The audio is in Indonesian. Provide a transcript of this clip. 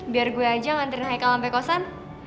biar gue aja nganterin haikal sampe kosan